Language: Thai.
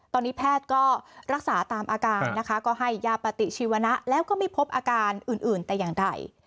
ตอนนี้แพทย์ก็รักษาตามอาการนะคะก็ให้ยาปฏิชีวนะแล้วก็ไม่พบอาการอื่นแต่อย่างใด